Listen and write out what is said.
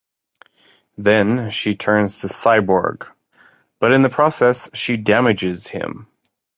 Then she turns to Cyborg, but in the process, she damages him.